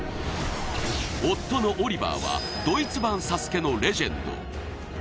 夫のオリバーはドイツ版ＳＡＳＵＫＥのレジェンド。